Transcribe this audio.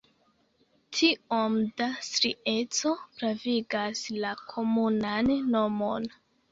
Tiom da strieco pravigas la komunan nomon.